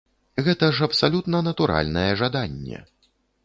Гэта ж абсалютна натуральнае жаданне.